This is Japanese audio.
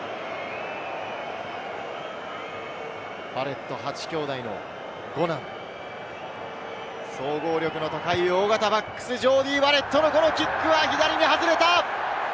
バレット８兄弟の５男、総合力の高い大型バックス、ジョーディー・バレットのこのキックは左に外れた。